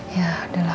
ya udah lah